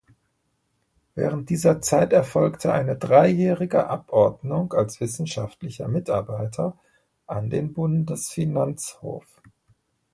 Während dieser Zeit erfolgte eine dreijährige Abordnung als wissenschaftlicher Mitarbeiter an den Bundesfinanzhof.